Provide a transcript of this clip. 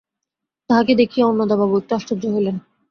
তাহাকে দেখিয়া অন্নদাবাবু একটু আশ্চর্য হইলেন।